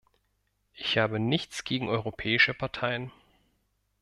Ich habe nichts gegen europäische Parteien.